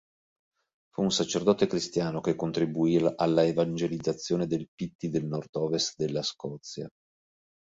Fu un sacerdote cristiano, che contribuì alla evangelizzazione del Pitti nel nord-ovest della Scozia.